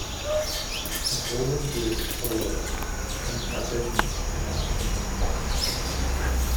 McColgan gave Hollar an audition and asked him to join the band.